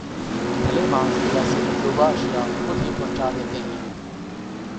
بھلے مانس تو ایسی مطلوبہ اشیاء خود ہی پہنچا دیتے ہیں۔